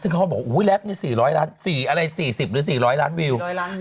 ซึ่งเขาก็บอกว่าแรปนี่๔๐๐ล้าน๔อะไร๔๐หรือ๔๐๐ล้านวิว